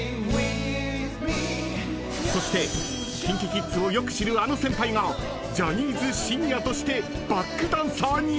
［そしてＫｉｎＫｉＫｉｄｓをよく知るあの先輩がジャニーズシニアとしてバックダンサーに⁉］